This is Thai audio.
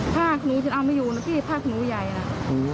ผ้าขนูจนเอาไม่อยู่นะพี่ผ้าขนูใหญ่นะ